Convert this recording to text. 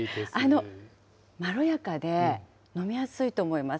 まろやかで飲みやすいと思います。